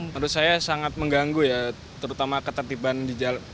menurut saya sangat mengganggu ya terutama ketertiban di jalan